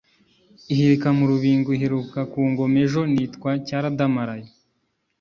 ihirika mu rubingo iheruka gukoma ejo nitwa cyaradamaraye